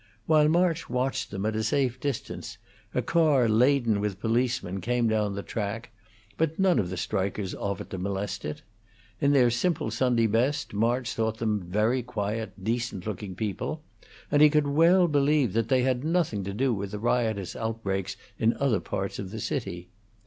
While March watched them at a safe distance, a car laden with policemen came down the track, but none of the strikers offered to molest it. In their simple Sunday best, March thought them very quiet, decent looking people, and he could well believe that they had nothing to do with the riotous outbreaks in other parts of the city.